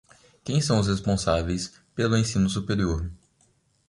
Quem são as responsáveis pelo ensino superior?